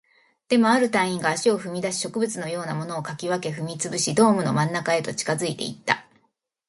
でも、ある隊員が足を踏み出し、植物のようなものを掻き分け、踏み潰し、ドームの真ん中へと近づいていった